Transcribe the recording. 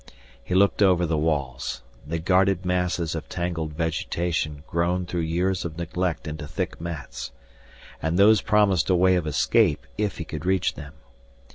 He looked over the walls. They guarded masses of tangled vegetation grown through years of neglect into thick mats. And those promised a way of escape, if he could reach them.